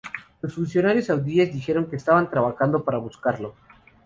Los funcionarios saudíes dijeron que están "trabajando para buscarlo".